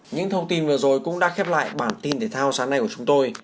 những thông tin vừa rồi cũng đã khép lại bản tin thể thao sáng nay của chúng tôi